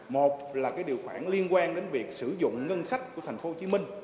một là điều khoản liên quan đến việc sử dụng ngân sách của thành phố hồ chí minh